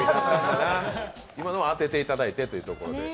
今のは当てていただいてというところで。